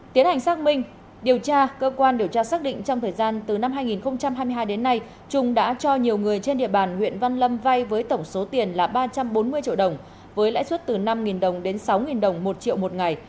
tiến hành xác minh điều tra cơ quan điều tra xác định trong thời gian từ năm hai nghìn hai mươi hai đến nay trung đã cho nhiều người trên địa bàn huyện văn lâm vay với tổng số tiền là ba trăm bốn mươi triệu đồng với lãi suất từ năm đồng đến sáu đồng một triệu một ngày